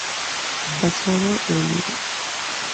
Pasado el equinoccio la sombra pasa por el "reverso" del cuadrante.